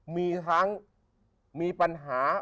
มีทั้งมีปัญหา